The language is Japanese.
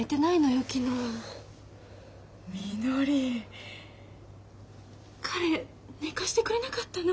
みのり彼寝かせてくれなかったの？